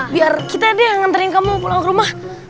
biar kita dede nganterin kamu pulang ke rumah